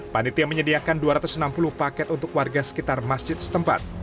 panitia menyediakan dua ratus enam puluh paket untuk warga sekitar masjid setempat